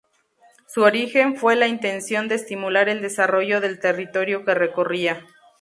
Su origen fue la intención de estimular el desarrollo del territorio que recorría.